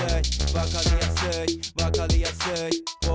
「わかりやすいわかりやすい」